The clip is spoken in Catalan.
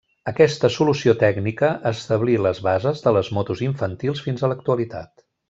Aquesta solució tècnica establí les bases de les motos infantils fins a l'actualitat.